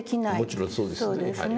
もちろんそうですね。